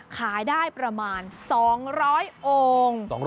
ขายได้ประมาณ๒๐๐องค์